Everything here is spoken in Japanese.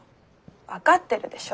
分かってるでしょ